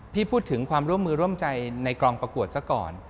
พูดถึงความร่วมมือร่วมใจในกองประกวดซะก่อน